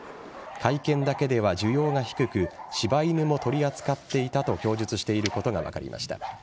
甲斐犬だけでは需要が低く柴犬も取り扱っていたと供述していることが分かりました。